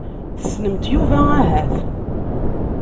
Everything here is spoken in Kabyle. Tessnemt Yuba ahat?